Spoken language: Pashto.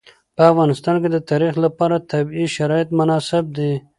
په افغانستان کې د تاریخ لپاره طبیعي شرایط مناسب دي.